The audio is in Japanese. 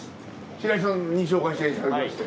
白井さんに紹介していただきまして。